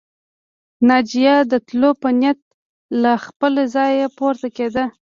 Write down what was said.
ناجيه د تلو په نيت له خپله ځايه پورته کېده